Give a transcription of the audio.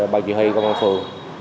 ba chị huy công an phường